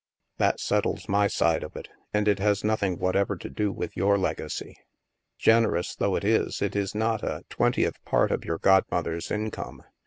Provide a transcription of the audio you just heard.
That settles my side of it, and it has nothing whatever to do with your legacy. Generous though it is, it is not a twentieth part of your godmother's income.